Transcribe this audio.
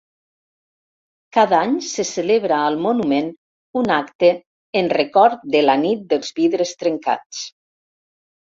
Cada any se celebra al monument un acte en record de la Nit dels vidres trencats.